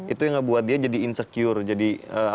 itu yang ngebuat dia jadi insecure jadi